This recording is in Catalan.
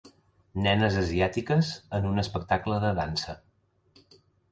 Nenes asiàtiques en un espectacle de dansa.